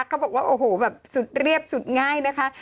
เขาบอกว่าสุดเรียบสุดง่ายนะคะ